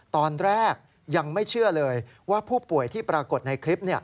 ตอนแรกยังไม่เชื่อเลยว่าผู้ป่วยที่ปรากฏในคลิป